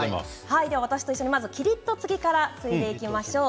私と一緒にキリっとつぎからついでいきましょう。